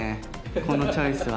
このチョイスは。